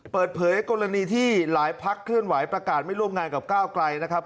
เปิดเผยกรณีที่หลายพักเคลื่อนไหวประกาศไม่ร่วมงานกับก้าวไกลนะครับ